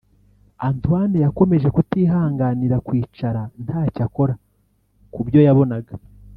Antoine yakomeje kutihanganira kwicara ntacyo akora kubyo yabonaga